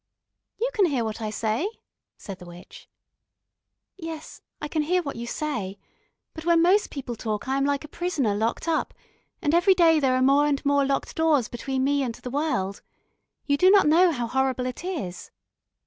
"You can hear what I say," said the witch. "Yes, I can hear what you say, but when most people talk I am like a prisoner locked up; and every day there are more and more locked doors between me and the world. You do not know how horrible it is."